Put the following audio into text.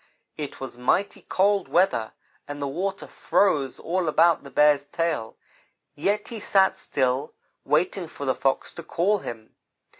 It was mighty cold weather, and the water froze all about the Bear's tail, yet he sat still, waiting for the Fox to call him.